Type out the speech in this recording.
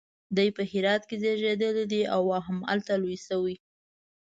دی په هرات کې زیږېدلی او همالته لوی شوی.